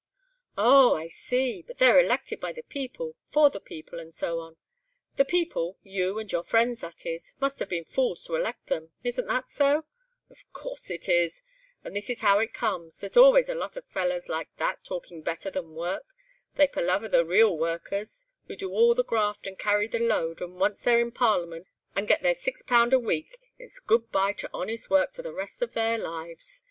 "Oh! I see; but they're elected by the people, for the people, and so on. The people—you and your friends, that is—must have been fools to elect them. Isn't that so?" "Of course it is. And this is how it comes; there's always a lot of fellers that like talking better than work. They palaver the real workers, who do all the graft, and carry the load, and once they're in Parliament and get their six pound a week it's good bye to honest work for the rest of their lives.